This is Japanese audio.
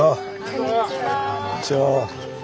こんにちは。